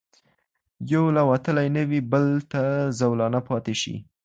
یو لا وتلی نه وي بل ته زولانه پاته سي